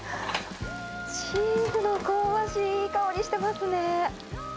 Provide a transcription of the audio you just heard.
チーズの香ばしいいい香りしてますね。